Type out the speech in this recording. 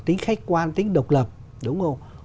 tính khách quan tính độc lập đúng không